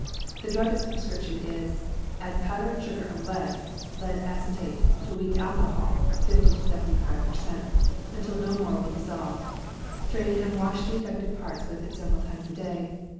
The druggist's prescription is: add powdered sugar of lead (lead acetate) to weak alcohol (50 to 75%) until no more will dissolve; strain, and wash the affected parts with it several times a day.